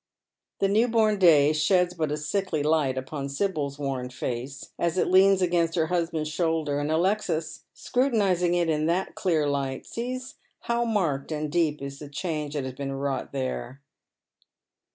The new born day sheds but a sickly light upon Sibyl's worn face, as it leans against her hus band's shoulder, and Alexis, scrutinizing it in that clear light, fee^ how marked and deep is the change that has been wrought 332 Dead Metis Shoes. there.